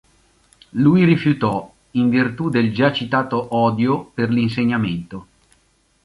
Lui rifiutò, in virtù del già citato odio per l'insegnamento.